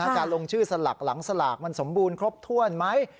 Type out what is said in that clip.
การลงชื่อสลักหลังสลากมันสมบูรณ์ครบถ้วนไหม